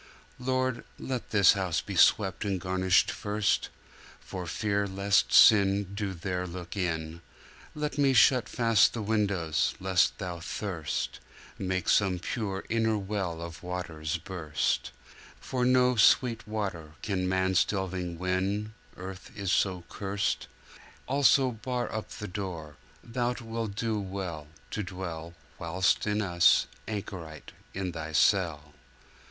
Lord, let this house be swept and garnished first! For fear lest sin Do there look in, Let me shut fast the windows: lest Thou thirst, Make some pure inner well of waters burst: For no sweet water can man's delving win— Earth is so curst. Also bar up the door: Thou wilt do well To dwell, whilst with us, anchorite in Thy cell.